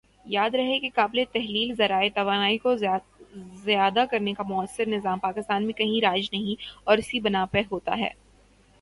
یاد رہے کہ قابلِ تحلیل ذرائع توانائی کو ذیادہ کرنے کا مؤثر نظام پاکستان میں کہیں رائج نہیں اور اسی بنا پر یہ ہوتا ہے